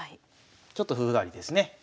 ちょっと風変わりですね。